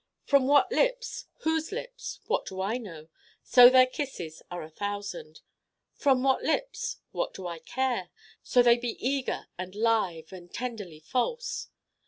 From what lips whose lips what do I know? : so their Kisses are a Thousand. From what lips what do I care? : so they be eager and live and tenderly false.